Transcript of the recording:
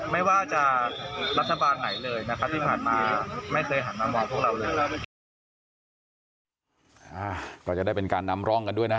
ไม่ว่าจะรัฐบาลไหนเลยนะครับที่ผ่านมาไม่เคยหันมามองพวกเราเลย